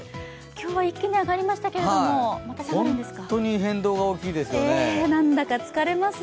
今日は一気に上がりましたけれども、本当に変動が大きいですね。